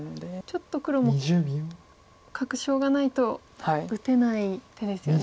ちょっと黒も確証がないと打てない手ですよね